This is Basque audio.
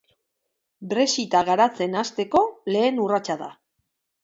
Brexita gauzatzen hasteko lehen urratsa da.